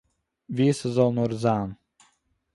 ווי ס'זאָל נאָר זיין